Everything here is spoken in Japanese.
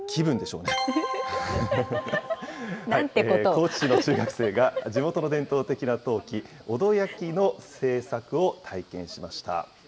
高知市の中学生が地元の伝統的な陶器、尾戸焼の製作を体験しました。